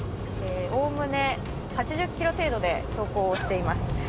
おおむね８０キロ程度で走行しております。